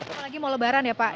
apalagi mau lebaran ya pak